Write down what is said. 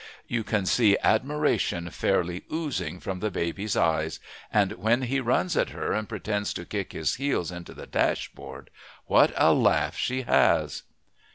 You can see admiration fairly oozing from baby's eyes; and when he runs at her and pretends to kick his heels into the dashboard, what a laugh she has!